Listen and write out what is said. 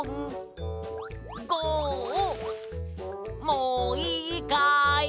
もういいかい？